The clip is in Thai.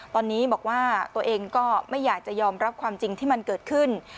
ตอนนี้บอกว่าตัวเองก็ไม่อยากจะยอมรับความจริงที่มันเกิดขึ้น